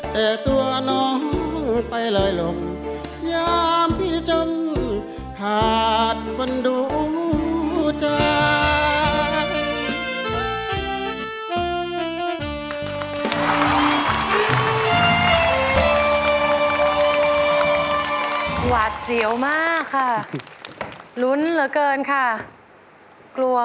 แต่ตัวน้องไปลอยลงยามพี่จนขาดบรรดุจักร